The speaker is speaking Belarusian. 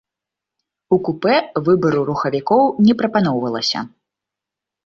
У купэ выбару рухавікоў не прапаноўвалася.